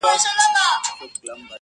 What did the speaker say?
ور کول مو پر وطن باندي سرونه٫